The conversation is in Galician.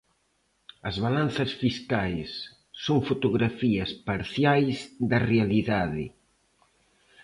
As balanzas fiscais son fotografías parciais da realidade.